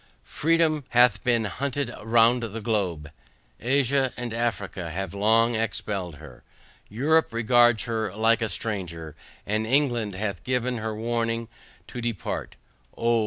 Freedom hath been hunted round the globe. Asia, and Africa, have long expelled her. Europe regards her like a stranger, and England hath given her warning to depart. O!